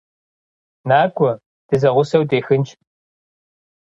НакӀуэ, дызэгъусэу дехынщ.